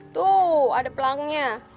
tuh ada pelangnya